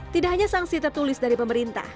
tidak hanya sanksi tertulis dari pemerintah